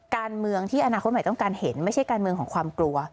การเมืองที่อนาคตใหม่ต้องการเห็นไม่ใช่การเมืองของความกลัว